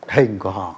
hình của họ